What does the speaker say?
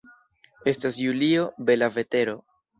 Estas julio, bela vetero.